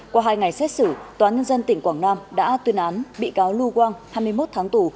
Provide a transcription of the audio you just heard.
qua hai ngày xét xử tòa nhân dân tỉnh quảng nam đã tuyên án bị cáo lu quang hai mươi một tháng tù